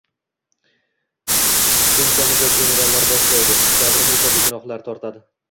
To’nkamijoz generallar boshlaydi. Jabrini esa begunohlar tortadi.